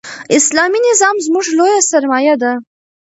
اسلامي نظام زموږ لویه سرمایه ده.